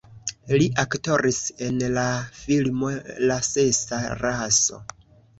Li aktoris en la filmo La sesa raso.